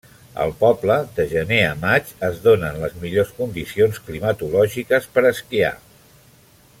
Al poble, de gener a maig es donen les millors condicions climatològiques per esquiar.